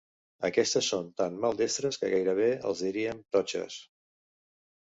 Aquestes són tan maldestres que gairebé els diríem totxes.